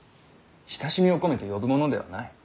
親しみを込めて呼ぶものではない。